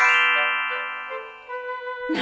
何？